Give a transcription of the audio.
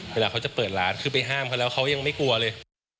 เวลาเขาจะเปิดร้านคือไปห้ามเขาแล้วเขายังไม่กลัวเลย